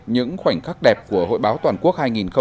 những khoảnh khắc đẹp của hội báo toàn quốc hai nghìn hai mươi